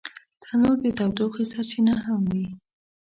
تنور د تودوخې سرچینه هم وي